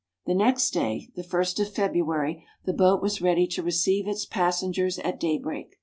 The next day, the 1st of February, the boat was ready to receive its passengers at daybreak.